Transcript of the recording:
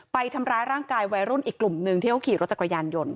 ไปทำร้ายร่างกายวัยรุ่นอีกกลุ่มหนึ่งที่เขาขี่รถจักรยานยนต์